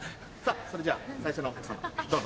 それじゃあ最初のお客様どうぞ。